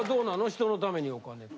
人のためにお金って。